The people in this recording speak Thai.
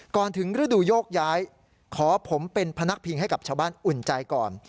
ก่อนถึงฤดูโยกย้ายขอผมเป็นพนักพิงให้กับชาวบ้านอุ่นใจก่อน